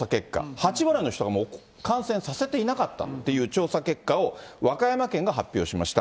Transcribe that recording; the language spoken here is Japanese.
８割の人が感染させていなかったっていう調査結果を和歌山県が発表しました。